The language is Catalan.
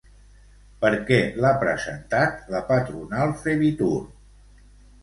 Per què l'ha presentat la patronal Fevitur?